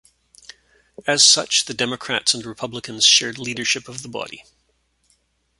As such, the Democrats and Republicans shared leadership of the body.